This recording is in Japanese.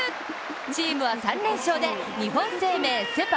チームは３連勝で日本生命セ・パ